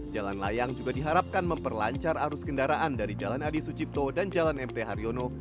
jalan layang juga diharapkan memperlancar arus kendaraan dari jalan adi sucipto dan jalan mt haryono